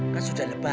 kan sudah lebar